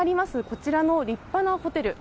こちらの立派なホテル。